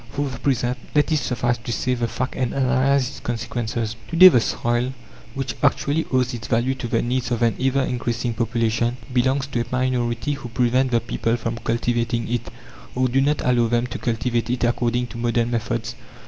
For the present let it suffice to state the fact and analyze its consequences. To day the soil, which actually owes its value to the needs of an ever increasing population, belongs to a minority who prevent the people from cultivating it or do not allow them to cultivate it according to modern methods.